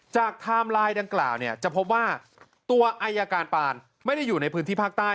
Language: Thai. ไทม์ไลน์ดังกล่าวเนี่ยจะพบว่าตัวอายการปานไม่ได้อยู่ในพื้นที่ภาคใต้